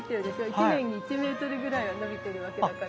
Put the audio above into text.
１年に１メートルぐらいは伸びてるわけだから。